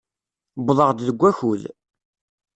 Uwḍeɣ-d deg wakud.